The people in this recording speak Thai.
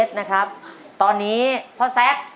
น้องเกรทนะครับตอนนี้พ่อแซ็ค